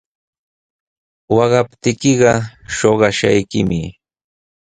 Waqaptiykiqa shuqashqaykimi.